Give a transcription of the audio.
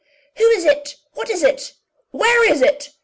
"Who is it? What is it? Where is it?"